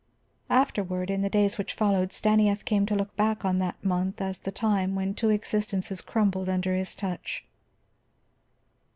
Afterward, in the days which followed, Stanief came to look back on that month as the time when two existences crumbled under his touch.